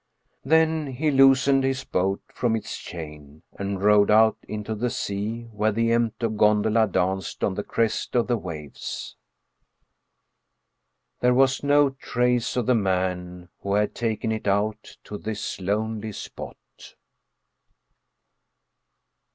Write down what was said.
Then he loosened his boat from its chain and rowed out into the sea where the empty gondola danced on the crest of the waves. There was no trace of the man who had taken it out to this lonely spot.